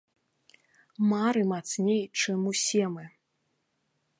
Мары мацней, чым усе мы!